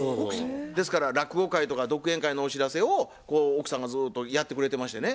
ですから落語会とか独演会のお知らせを奥さんがずっとやってくれてましてね